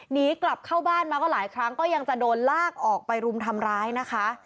หนีกลับเข้าบ้านมาก็หลายครั้งก็ยังจะโดนลากออกไปรุมทำร้ายนะคะ